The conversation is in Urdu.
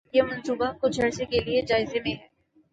یہ منصوبہ کچھ عرصہ کے لیے جائزے میں ہے